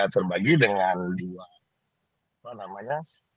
terbagi dengan dua apa namanya